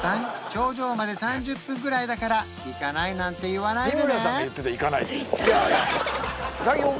頂上まで３０分ぐらいだから行かないなんて言わないでね